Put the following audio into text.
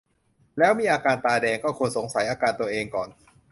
แล้วมีอาการตาแดง ก็ควรสงสัยอาการตัวเองก่อน